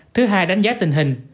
thứ hai đánh giá tình hình